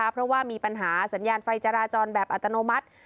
เพราะว่ามีปัญหาสัญญาณไฟจราจรแบบอัตโนมัติ